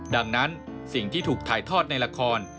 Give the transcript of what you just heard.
ดังนั้นสิ่งที่ถูกถ่ายทอดในละคร